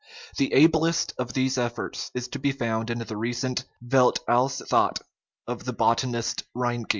The ablest of these is to be found in the recent Welt als That of the botanist Reinke.